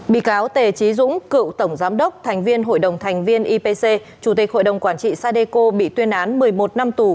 bị cáo tề trí dũng cựu tổng giám đốc thành viên hội đồng thành viên ipc chủ tịch hội đồng quản trị sadeco bị tuyên án một mươi một năm tù